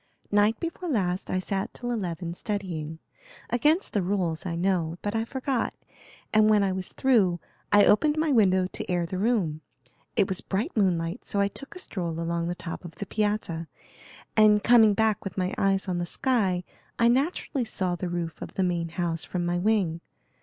"Night before last I sat till eleven, studying. Against the rules, I know; but I forgot, and when I was through I opened my window to air the room. It was bright moonlight, so I took a stroll along the top of the piazza, and coming back with my eyes on the sky I naturally saw the roof of the main house from my wing.